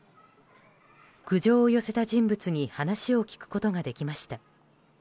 苦情を寄せた人物に話を聞くことができました。